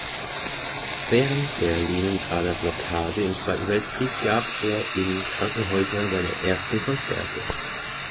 Während der Leningrader Blockade im Zweiten Weltkrieg gab er in Krankenhäusern seine ersten Konzerte.